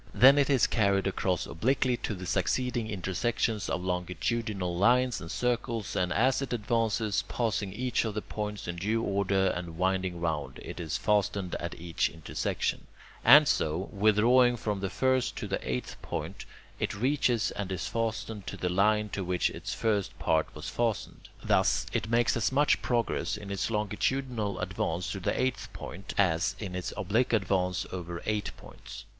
Then it is carried across obliquely to the succeeding intersections of longitudinal lines and circles, and as it advances, passing each of the points in due order and winding round, it is fastened at each intersection; and so, withdrawing from the first to the eighth point, it reaches and is fastened to the line to which its first part was fastened. Thus, it makes as much progress in its longitudinal advance to the eighth point as in its oblique advance over eight points.